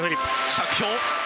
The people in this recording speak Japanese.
着氷。